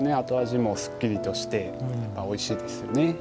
後味もすっきりとしておいしいですよね。